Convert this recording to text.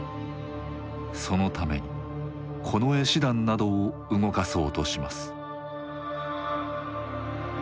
そのために近衛師団などを動かそうとします。